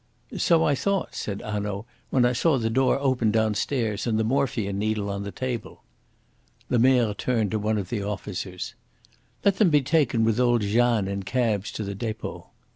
"So I thought," said Hanaud, "when I saw the door open downstairs, and the morphia needle on the table." Lemerre turned to one of the officers. "Let them be taken with old Jeanne in cabs to the depot."